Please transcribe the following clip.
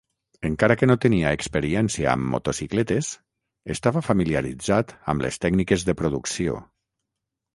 Encara que no tenia experiència amb motocicletes, estava familiaritzat amb les tècniques de producció.